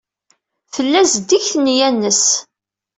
Tella zeddiget nneyya-nnes.